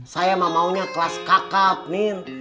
saya mah maunya kelas kakak nin